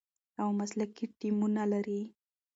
او مسلکي ټیمونه لري،